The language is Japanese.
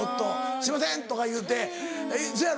「すいません」とか言うてせやろ？